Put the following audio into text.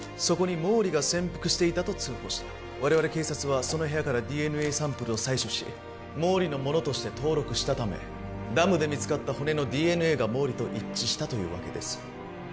そこに毛利が潜伏していたと通報した我々警察はその部屋からＤＮＡサンプルを採取し毛利のものとして登録したためダムで見つかった骨のＤＮＡが毛利と一致したというわけです